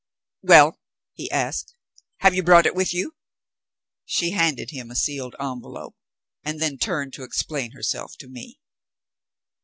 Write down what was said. "Well," he asked, "have you brought it with you?" She handed to him a sealed envelope, and then turned to explain herself to me.